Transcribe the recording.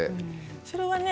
それはね